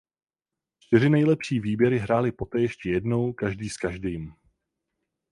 Čtyři nejlepší výběry hrály poté ještě jednou každý s každým.